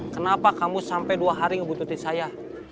kenapa kamu sampai dua hari ngebuntutin saya